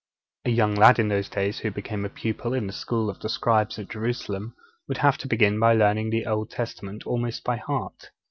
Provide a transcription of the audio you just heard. A young lad of those days who became a pupil in the School of the Scribes at Jerusalem would have to begin by learning the Old Testament almost by heart.